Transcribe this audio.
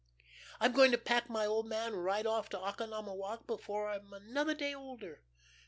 I'm going to pack my old man right off to Oconomowoc before I'm another day older.